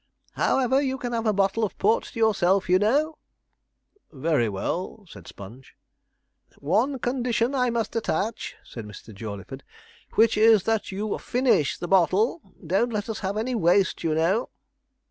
'However, you can have a bottle of port to yourself, you know.' 'Very well,' said Sponge. 'One condition I must attach,' said Mr. Jawleyford, 'which is, that you finish the bottle. Don't let us have any waste, you know.'